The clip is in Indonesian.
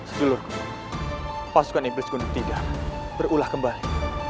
sejeluruhku pasukan iblis gunduk tidak berulah kembali